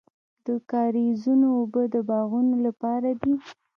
د کاریزونو اوبه د باغونو لپاره دي.